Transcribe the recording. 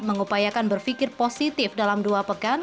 mengupayakan berpikir positif dalam dua pekan